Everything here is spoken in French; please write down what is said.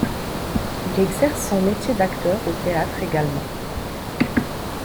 Il exerce son métier d'acteur au théâtre également.